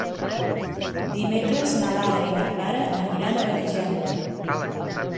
Dimecres na Lara i na Clara aniran a Benigembla.